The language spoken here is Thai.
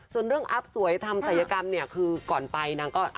ส่วนเรื่องอัพสวยทำศัยกรรมเนี่ยคือก่อนไปนางก็